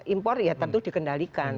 impor ya tentu dikendalikan